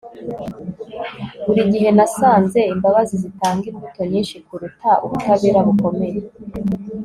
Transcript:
Buri gihe nasanze imbabazi zitanga imbuto nyinshi kuruta ubutabera bukomeye